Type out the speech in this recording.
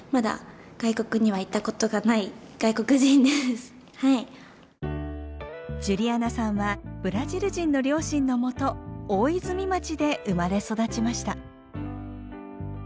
おじいちゃんがジュリアナさんはブラジル人の両親のもと大泉町で生まれ育ちました。